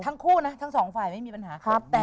ทั้งคู่นะทั้งสองฝ่ายไม่มีปัญหา